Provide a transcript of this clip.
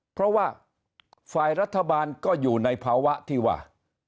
เพราะว่าฝ่ายรัฐบาลก็อยู่ในภาวะที่ว่า